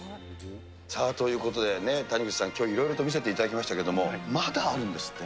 さあ、ということでね、谷口さん、きょういろいろと見せていただきましたけれども、まだあるんですって？